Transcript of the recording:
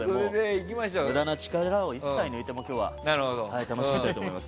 無駄な力を一切抜いて楽しみたいと思います。